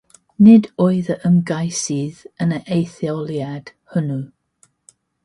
Nid oedd yn ymgeisydd yn yr etholiad hwnnw.